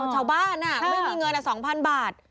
ชาวบ้านไม่มีเงินแค่๒๐๐๐บาท